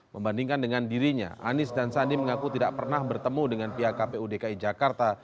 membandingkan dengan dirinya anies dan sandi mengaku tidak pernah bertemu dengan pihak kpu dki jakarta